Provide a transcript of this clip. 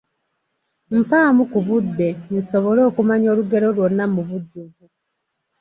Mpaamu ku budde nsobole okumanya olugero lwonna mu bujjuvu.